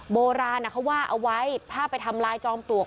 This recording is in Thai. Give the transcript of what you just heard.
โบราณเขาว่าเอาไว้ถ้าไปทำลายจอมปลวก